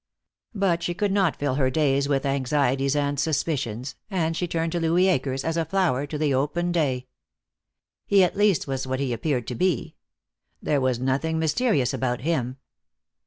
But she could not fill her days with anxieties and suspicions, and she turned to Louis Akers as a flower to the open day. He at least was what he appeared to be. There was nothing mysterious about him.